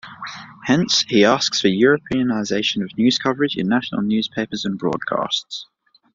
Hence, he asks for a Europeanization of news coverage in national newspapers and broadcasts.